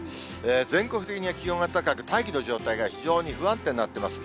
全国的に気温が高く、大気の状態が非常に不安定になっています。